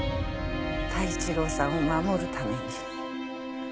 太一郎さんを守るために。